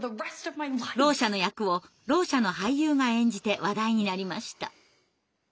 ろう者の役をろう者の俳優が演じて話題になりました。